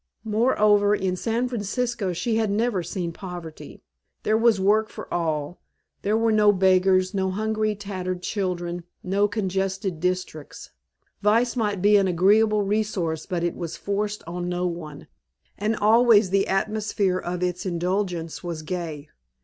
Moreover, in San Francisco she had never seen poverty. There was work for all, there were no beggars, no hungry tattered children, no congested districts. Vice might be an agreeable resource but it was forced on no one; and always the atmosphere of its indulgence was gay.